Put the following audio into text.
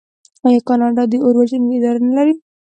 آیا کاناډا د اور وژنې اداره نلري؟